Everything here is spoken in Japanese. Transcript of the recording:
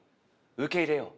受け入れよう。